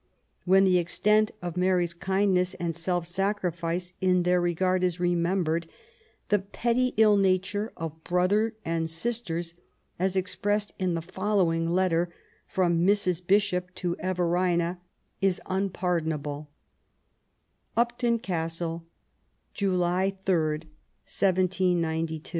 When the extent of Mary's kind ness and self sacriflce in their regard is remembered, the petty ill nature of brother and sisters, as expressed in the following letter from Mrs. Bishop to Everina, is unpardonable :— Upton Oastle, July 8, 1792. ..